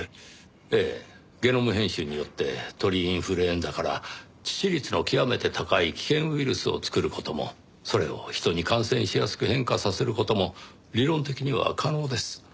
ええゲノム編集によって鳥インフルエンザから致死率の極めて高い危険ウイルスを作る事もそれを人に感染しやすく変化させる事も理論的には可能です。